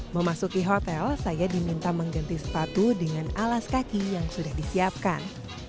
memasuki hotel saya diminta mengganti sepatu dengan alas kaki yang sudah disiapkan